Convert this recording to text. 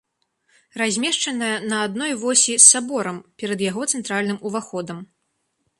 Размешчаная на адной восі з саборам, перад яго цэнтральным уваходам.